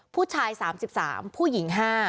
ผู้ชาย๓๓ผู้หญิง๕